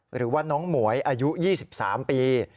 หรือว่าน้องหมวยอายุ๒๓ปี